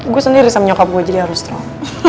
gue sendiri riset sama nyokap gue jadi harus strong